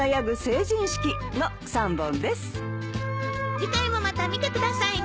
次回もまた見てくださいね。